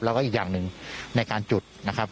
แล้วก็อีกอย่างหนึ่งในการจุดนะครับ